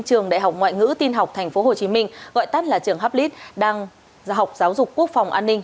trường đại học ngoại ngữ tin học tp hcm gọi tắt là trường hablis đang học giáo dục quốc phòng an ninh